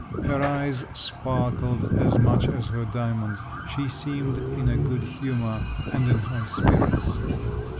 Her eyes sparkled as much as her diamonds; she seemed in a good humour and in high spirits.